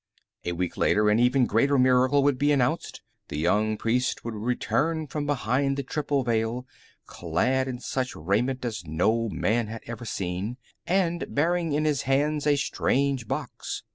A week later, an even greater miracle would be announced. The young priest would return from behind the Triple Veil, clad in such raiment as no man had ever seen, and bearing in his hands a strange box.